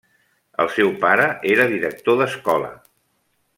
El seu pare era director d'escola.